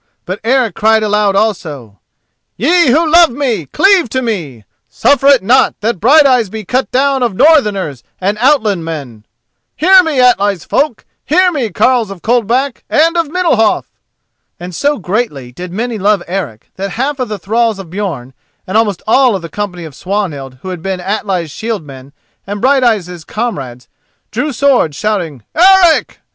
But Eric cried aloud also: "Ye who love me, cleave to me. Suffer it not that Brighteyes be cut down of northerners and outland men. Hear me, Atli's folk; hear me, carles of Coldback and of Middalhof!" And so greatly did many love Eric that half of the thralls of Björn, and almost all of the company of Swanhild who had been Atli's shield men and Brighteyes' comrades, drew swords, shouting "Eric!